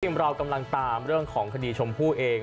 เรากำลังตามเรื่องของคดีชมพู่เอง